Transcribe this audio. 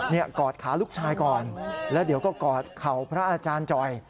กอดขาลูกชายก่อนแล้วเดี๋ยวก็กอดเข่าพระอาจารย์จ่อย